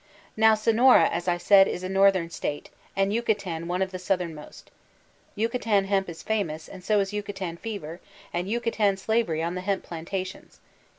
Now Sonora, as I said» is a northern state, and Yucatan one of the south ernmost Yucatan hemp is famous, and so is Yucatan fever, and Yucatan slavery on the hemp plantations.